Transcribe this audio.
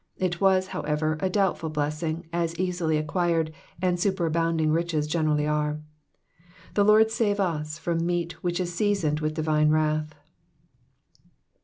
It was, however, a doubtful blessing, as easily acquired and superabounding riches generally are. The Lord save us from meat which is seasoned with divine wrath.